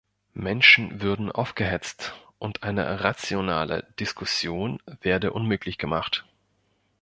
Menschen würden aufgehetzt und eine rationale Diskussion werde unmöglich gemacht.